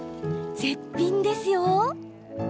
絶品ですよ。